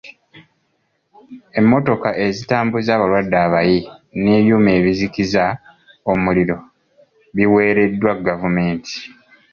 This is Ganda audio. Emmotoka ezitambuza abalwadde abayi n'ebyuma ebizikiza omuliro biweereddwa gavumenti.